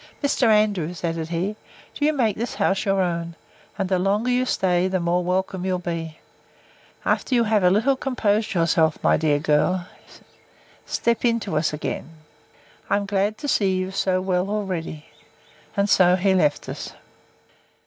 Mr. Andrews, added he, do you make this house your own; and the longer you stay, the more welcome you'll be. After you have a little composed yourself, my dear girl, step in to us again. I am glad to see you so well already. And so he left us.